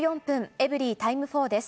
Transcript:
エブリィタイム４です。